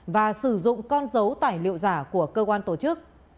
và sử dụng con dấu tài liệu giả của cơ quan tổ chức